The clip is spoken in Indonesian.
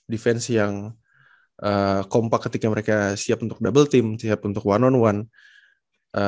defense yang kompak ketika mereka siap untuk double team siap untuk one on one